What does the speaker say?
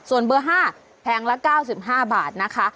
ส่วนเบอร์๕แพงละ๙๕บาทนะคะ